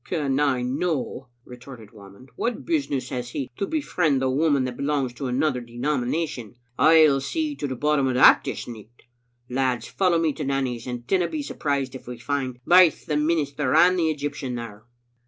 f "Can I no?" retorted Whamond. "What business has he to befriend a woman that belongs to another denomination? Pll see to the bottom o' that this nicht. Lads, follow me to Nanny's, and dinna be surprised if we find baith the minister and the Egyptian tljere."